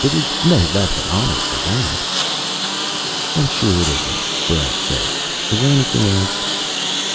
It is no less an honor for that." "I'm sure it isn't," Barrent said. "Is there anything else?"